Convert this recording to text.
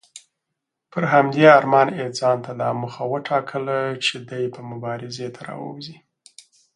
پر همدې ارمان یې ځانته دا موخه وټاکله چې دی به مبارزې ته راوځي.